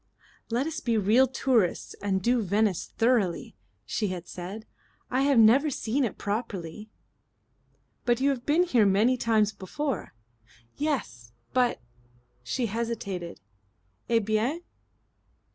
"Let us be real tourists and do Venice thoroughly," she had said. "I have never seen it properly." "But you've been here many times before." "Yes. But " She hesitated. "Eh bien?"